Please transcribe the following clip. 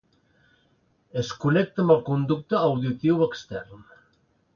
Es connecta amb el conducte auditiu extern.